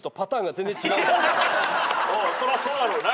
そらそうだろうな。